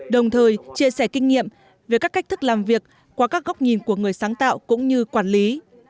đồng thời chia sẻ kinh nghiệm về các cách thức làm việc qua các góc nhìn của người sáng tạo cũng như quản lý